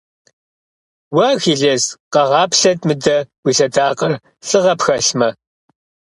Уэ, Ахилес! Къэгъаплъэт мыдэ уи лъэдакъэр, лӏыгъэ пхэлъмэ!